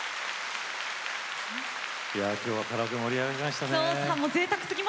今日はカラオケ盛り上がりましたね。